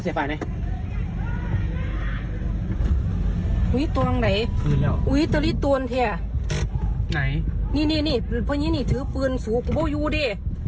อยู่ที่ไปยังหรือเปล่า